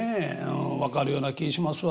分かるような気しますわ。